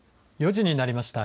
４時になりました。